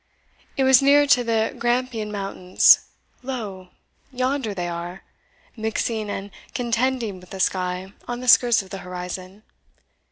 It was near to the Grampian mountains lo! yonder they are, mixing and contending with the sky on the skirts of the horizon!